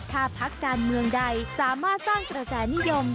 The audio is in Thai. ถ้าพักการเมืองใดสามารถสร้างกระแสนิยม